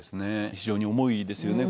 非常に重いですよね